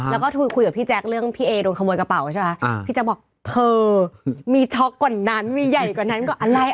แล้วก็คุยกับพี่แจ๊คเรื่องพี่เอโดนขโมยกระเป๋าใช่ไหมพี่แจ๊คบอกเธอมีช็อกกว่านั้นมีใหญ่กว่านั้นกว่าอะไร